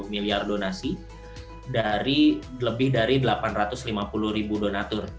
satu miliar donasi dari lebih dari delapan ratus lima puluh ribu donatur